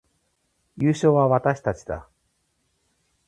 優勝は私たちだ